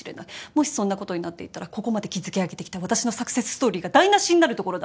もしそんなことになっていたらここまで築き上げてきた私のサクセスストーリーが台無しになるところだった。